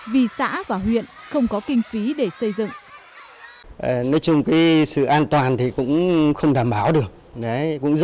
vì xã và huyện không có kinh phí để xây dựng